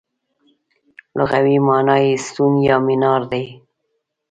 لغوي مانا یې ستون یا مینار دی.